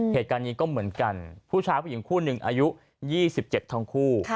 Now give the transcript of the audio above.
เหตุการณ์นี้ก็เหมือนกันผู้ชายผู้หญิงคู่หนึ่งอายุ๒๗ทั้งคู่